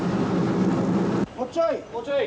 もうちょい。